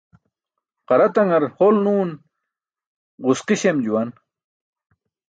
Qara taṅar hol nuun ġuski̇ śem juwan.